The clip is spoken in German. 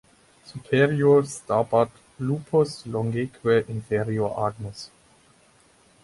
Superior stabat lupus longeque inferior agnus.